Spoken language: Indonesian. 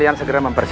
pasti kita mendepati